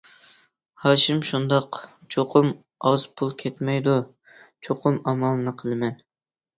ھاشىم: شۇنداق، چوقۇم ئاز پۇل كەتمەيدۇ، چوقۇم ئامالىنى قىلىمەن.